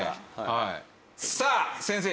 さあ先生